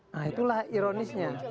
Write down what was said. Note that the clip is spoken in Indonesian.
nah itulah ironisnya